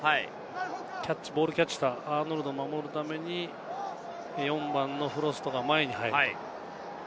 ボールをキャッチしたアーノルドを守るためにフロストが前に入る。